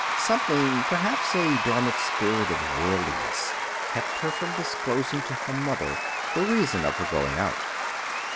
Something, perhaps a dormant spirit of worldliness, kept her from disclosing to her mother the reason of her going out.